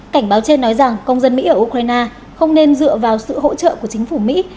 cảnh báo trên nói rằng công dân mỹ ở ukraine không nên dựa vào sự hỗ trợ của chính phủ mỹ